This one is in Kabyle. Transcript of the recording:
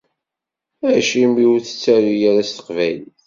Acimi ur tettaru ara s teqbaylit?